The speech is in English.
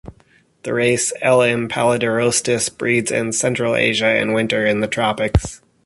The race "L. m. pallidirostis" breeds in central Asia and winters in the tropics.